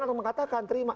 atau mengatakan terima